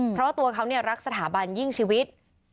เพราะว่าตัวเขารักสถาบันยิ่งชีวิต